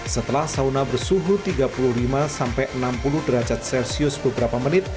setelah sauna bersuhu tiga puluh lima sampai enam puluh derajat celcius beberapa menit